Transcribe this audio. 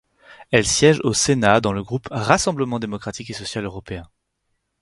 Elle siège au sénat dans le groupe Rassemblement démocratique et social européen.